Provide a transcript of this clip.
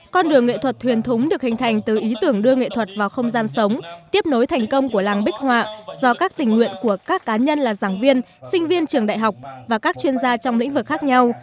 con đường nghệ thuật thuyền thúng được hình thành từ ý tưởng đưa nghệ thuật vào không gian sống tiếp nối thành công của làng bích họa do các tình nguyện của các cá nhân là giảng viên sinh viên trường đại học và các chuyên gia trong lĩnh vực khác nhau